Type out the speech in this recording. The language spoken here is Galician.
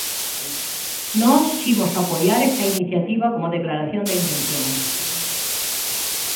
Nós imos apoiar esta iniciativa como declaración de intencións.